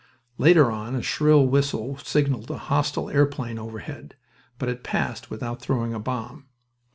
Later on a shrill whistle signaled a hostile airplane overhead, but it passed without throwing a bomb.